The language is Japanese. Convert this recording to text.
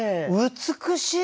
美しい！